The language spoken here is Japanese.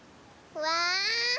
うわ。